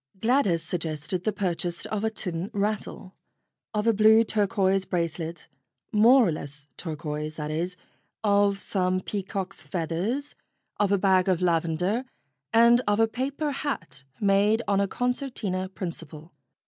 Gladys suggested the purchase of a tin rattle, of a blue turquoise bracelet more or less turquoise, that is of some peacocks' feathers, of a bag of lavender, and of a paper hat made on a concertina principle.